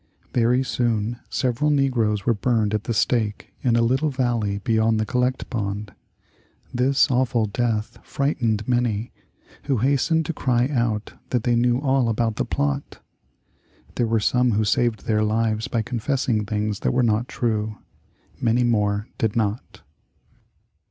Very soon several negroes were burned at the stake in a little valley beyond the Collect Pond. This awful death frightened many, who hastened to cry out that they knew all about the plot. There were some who saved their lives by confessing things that were not true; many more did not.